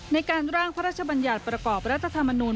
ในการร่างพระราชบัญญัติประกอบรัฐธรรมนูล